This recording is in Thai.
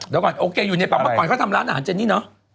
เดี๋ยวก่อนโอเคอยู่ในป่าเมื่อก่อนเขาทำร้านอาหารเจนี่เนอะ